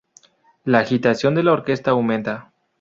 La agitación de la orquesta aumenta.